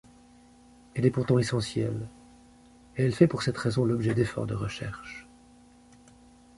Elle est pourtant essentielle, et elle fait pour cette raison l'objet d'efforts de recherche.